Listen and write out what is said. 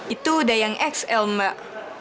itu udah yang xl mbak